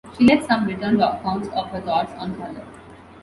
She left some written accounts of her thoughts on colour.